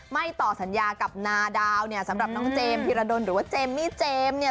ไม่ต่อสัญญากับนาดาวเนี่ยสำหรับน้องเจมส์ธิรดลหรือว่าเจมมี่เจมส์เนี่ย